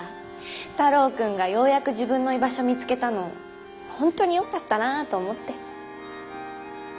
太郎君がようやく自分の居場所見つけたのホントによかったなーと思って。